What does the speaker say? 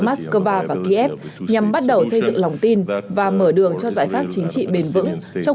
moscow và kiev nhằm bắt đầu xây dựng lòng tin và mở đường cho giải pháp chính trị bền vững trong